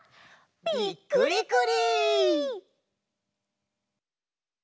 びっくりくり！